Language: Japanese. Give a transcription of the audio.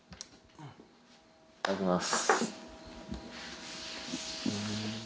いただきます。